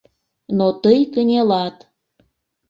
Но тый кынелат.